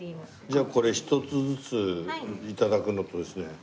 じゃあこれ１つずつ頂くのとですね